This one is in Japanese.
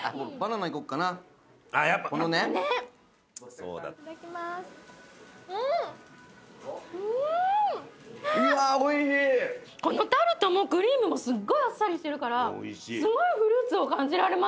このタルトもクリームもすっごいあっさりしてるからすごいフルーツを感じられますね。